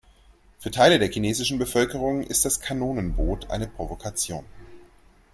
Für Teile der chinesischen Bevölkerung ist das Kanonenboot eine Provokation.